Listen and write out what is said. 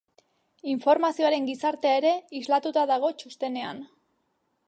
Informazioaren gizartea ere islatuta dago txostenean.